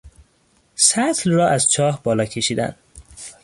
سطل را از چاه بالا کشیدن